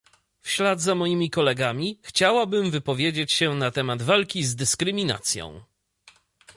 W ślad za moimi kolegami, chciałabym wypowiedzieć się na temat walki z dyskryminacją